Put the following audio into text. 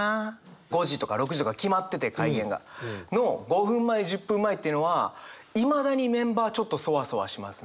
５時とか６時とか決まってて開演が。の５分前１０分前っていうのはいまだにメンバーちょっとソワソワしますね。